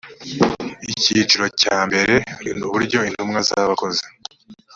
icyiciro cya mbere uburyo intumwa z abakozi